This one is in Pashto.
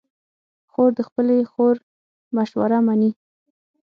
خور د خپلې خور مشوره منې.